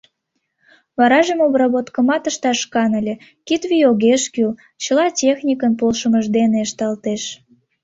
Варажым обработкымат ышташ каньыле: кид вий огеш кӱл, чыла техникын полшымыж дене ышталтеш.